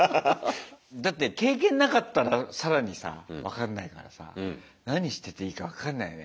だって経験なかったら更にさ分かんないからさ何してていいか分かんないね。